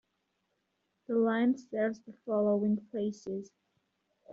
The line serves the following places.